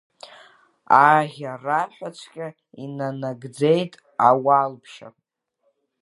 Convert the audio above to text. Аӷьараҳәаҵәҟьа инанагӡеит ауалԥшьа.